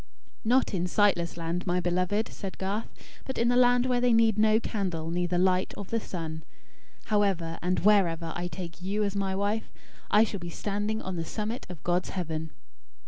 "Not in Sightless Land, my beloved," said Garth; "but in the Land where they need no candle neither light of the sun. However, and wherever, I take YOU as my wife, I shall be standing on the summit of God's heaven."